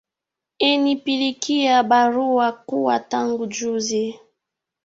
Enipilikia barua kuwa tangu juzi